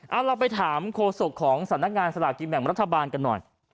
เอาเราไปถามโฆษกของสำนักงานสลากกินแบ่งรัฐบาลกันหน่อย